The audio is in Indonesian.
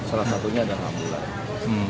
salah satunya adalah ambulans